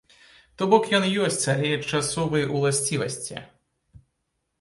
То бок ён ёсць, але часовай уласцівасці.